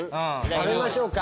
食べましょうか。